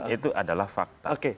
itu adalah fakta